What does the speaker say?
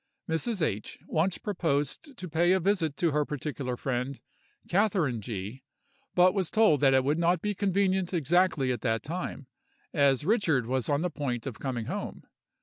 Mrs. H. once proposed to pay a visit to her particular friend, Catherine G——, but was told that it would not be convenient exactly at that time, as Richard was on the point of coming home.